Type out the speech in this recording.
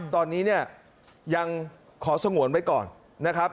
ตอนนี้เนี่ยยังขอสงวนไว้ก่อนนะครับ